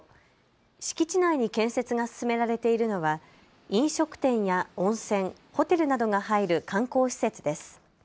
敷地内に建設が進められているのは飲食店や温泉、ホテルなどが入る観光施設です。